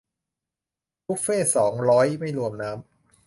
บุฟเฟ่ต์สองร้อย ไม่รวมน้ำ